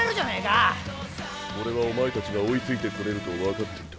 オレはおまえたちが追いついてこれると分かっていた！